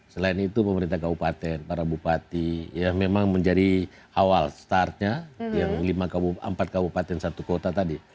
selain itu pemerintah kabupaten para bupati ya memang menjadi awal startnya yang empat kabupaten satu kota tadi